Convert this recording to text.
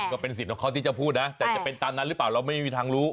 ก็เป็นสิทธิ์ของเขาที่จะพูดนะแต่จะเป็นตามนั้นหรือเปล่าเราไม่มีทางรู้